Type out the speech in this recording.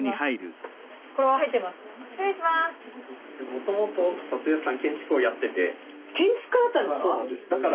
もともと建築家だったんですか？